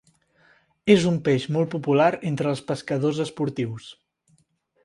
És un peix molt popular entre els pescadors esportius.